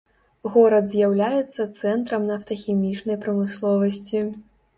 Горад з'яўляецца цэнтрам нафтахімічнай прамысловасці.